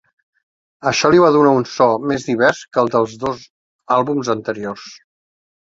Això li va donar un so més divers que el dels dos àlbums anteriors.